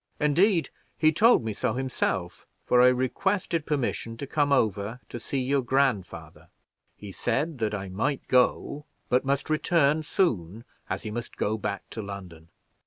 Indeed, he told me so himself, for I requested permission to come over to see your grandfather. He said that I might go, but must return soon, as he must go back to London.